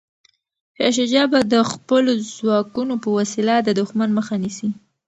شاه شجاع به د خپلو ځواکونو په وسیله د دښمن مخه نیسي.